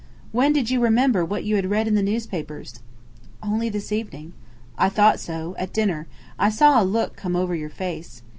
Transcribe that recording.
When did you remember what you had read in the newspapers?" "Only this evening." "I thought so! At dinner. I saw a look come over your face."